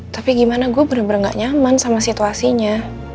tapi gimana gue bener bener gak nyaman sama situasinya